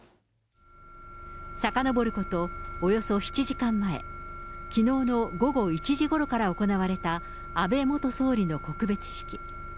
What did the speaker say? さかのぼることおよそ７時間前、きのうの午後１時ごろから行われた安倍元総理の告別式。